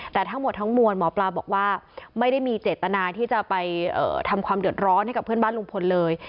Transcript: แต่ทั้งหมดทั้งมวลหมอปลาบอกว่าไม่ได้มีเจตนาที่จะไปทำความเดือดร้อนให้กับเพื่อนบ้านลุงพลเลย